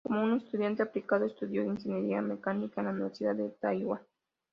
Como un estudiante aplicado, estudió ingeniería mecánica en la Universidad de Taiwán.